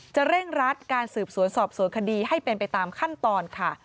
เร่งรัดการสืบสวนสอบสวนคดีให้เป็นไปตามขั้นตอนค่ะ